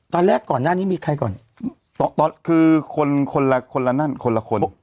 ตอนแรกก่อนหน้านี้มีใครก่อนตอนคือคนคนละคนละนั่นคนละคน